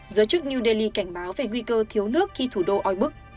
giới chức new delhi cảnh báo về nguy cơ thiếu nước khi thủ đô oi bức